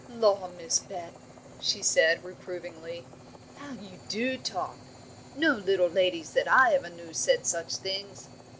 "Law, Miss Bet," she said, reprovingly, "how you do talk! No little ladies that I ever knew said such things.